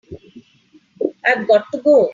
I've got to go.